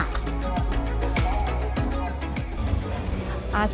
suasana berbeda di kawasan yang lainnya